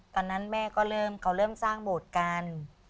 ตอนนั้นแม่เริ่มสร้างโบสถ์การ